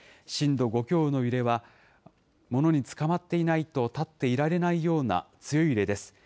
震度５強の揺れは、ものにつかまっていないと立っていられないような強い揺れです。